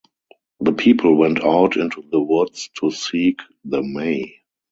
The people went out into the woods to seek the May.